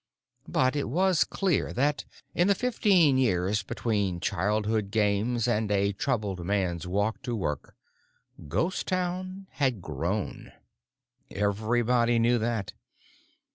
But it was clear that—in the fifteen years between childhood games and a troubled man's walk to work—Ghost Town had grown. Everybody knew that!